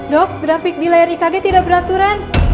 dok grafik di layar ikg tidak beraturan